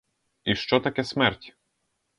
І що таке смерть?